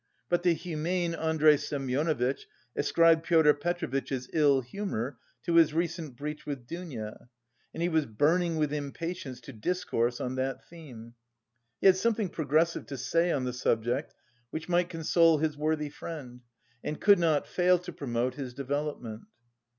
But the "humane" Andrey Semyonovitch ascribed Pyotr Petrovitch's ill humour to his recent breach with Dounia and he was burning with impatience to discourse on that theme. He had something progressive to say on the subject which might console his worthy friend and "could not fail" to promote his development.